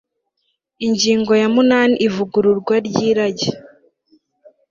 ingingo ya munani ivugururwa ry' irage